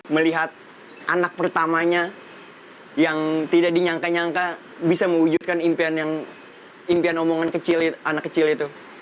melihat anak pertamanya yang tidak dinyangka nyangka bisa mewujudkan impian omongan kecil anak kecil itu